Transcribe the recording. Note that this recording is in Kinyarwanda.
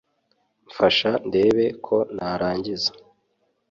mfasha ndebe ko narangiza